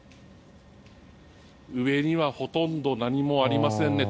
上にはほとんど何もありませんね。